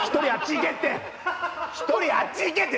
１人、あっち行けって！